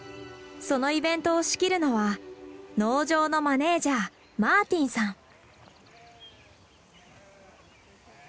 そのイベントを仕切るのは農場のマネージャーマーティンさん。